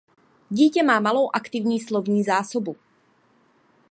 Dítě má malou aktivní slovní zásobu.